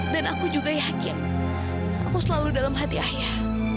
aku juga yakin aku selalu dalam hati ayah